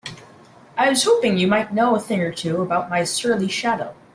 I was hoping you might know a thing or two about my surly shadow?